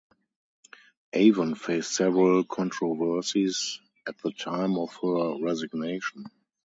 Avon faced several controversies at the time of her resignation.